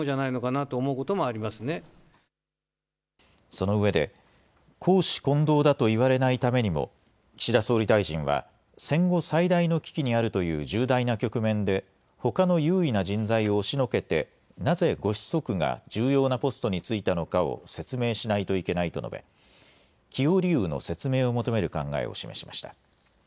そのうえで公私混同だと言われないためにも岸田総理大臣は戦後最大の危機にあるという重大な局面で、ほかの有為な人材を押しのけて、なぜご子息が重要なポストに就いたのかを説明しないといけないと述べ起用理由の説明を求める考えを示しました。